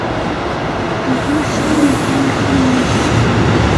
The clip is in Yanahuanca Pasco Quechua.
tuqushta mikuytam munaa.